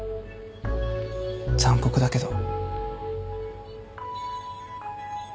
残酷だけど。